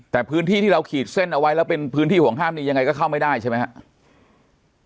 แต่พื้นที่ที่เราขีดเส้นไว้และเป็นความห้ามยังไงก็เข้าไม่ได้ใช่มั้ยครับ